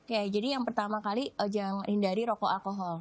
oke jadi yang pertama kali hindari rokok alkohol